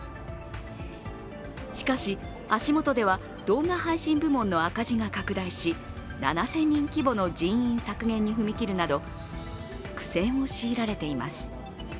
しかし、足元では動画配信部門の赤字が拡大し７０００人規模の人員削減に踏み切るなど苦戦を強いられています。